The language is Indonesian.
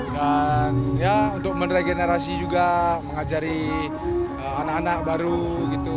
dan untuk meregenerasi juga mengajari anak anak baru gitu